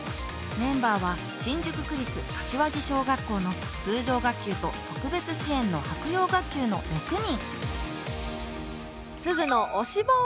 メンバーは新宿区立柏木小学校の通常学級と特別支援の柏葉学級の６人「すずの推しＢＯ！」。